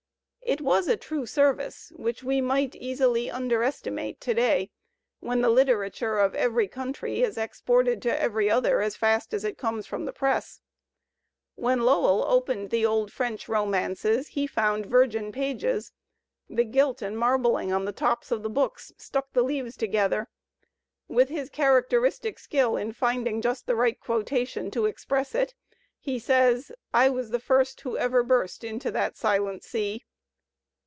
It was a true service, which we might easily underestimate to day when the literature of every country is exported to every other as fast as it comes from the press. When Lowell opened the old French Romances he found virgin pages; the gilt and marbling on the tops of the books stuck the leaves together. With his characteristic skill in finding just the right quotation to express it, he says: I was the first who ever burst Into that silent sea.